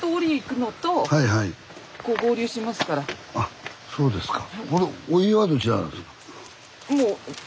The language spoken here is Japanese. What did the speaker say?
あっそうですか。